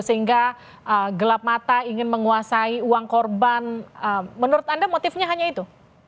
sehingga gelap mata ingin menguasai uang korban menurut anda motifnya hanya itu